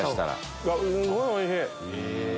すんごいおいしい！